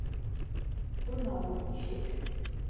Бына ул ишек